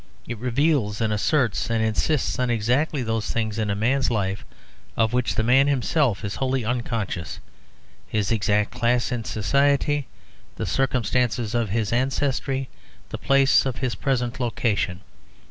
It reveals and asserts and insists on exactly those things in a man's life of which the man himself is wholly unconscious; his exact class in society, the circumstances of his ancestry, the place of his present location.